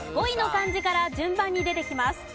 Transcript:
５位の漢字から順番に出てきます。